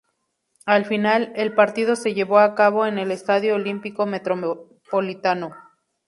Al final; el partido se llevó a cabo en el estadio Olímpico Metropolitano.